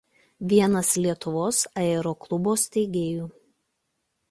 Vienas Lietuvos aeroklubo steigėjų.